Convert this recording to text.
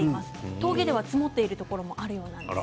峠では積もっているところもあるそうです。